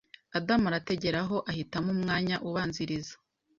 Adamu atarageraho ahitamo umwanya ubanziriza